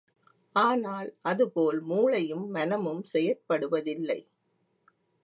ஆனால் அதுபோல் மூளையும் மனமும் செயற்படுவதில்லை.